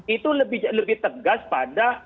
itu lebih tegas pada